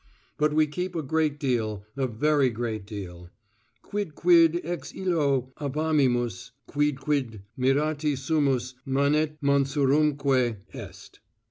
But we keep a great deal, a very great deal quidquid ex illo amavimus, quidquid mirati sumus, manet mansurumque est.